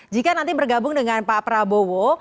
jika nanti bergabung dengan pak prabowo